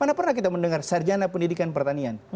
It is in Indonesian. mana pernah kita mendengar sarjana pendidikan pertanian